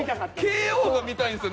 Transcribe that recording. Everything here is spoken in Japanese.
ＫＯが見たいんですよ。